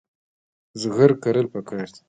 زغر کرل پکار دي.